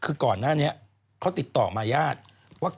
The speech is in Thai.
คือก่อนหน้านี้เขาติดต่อมาญาติว่า